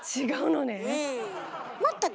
違うのね。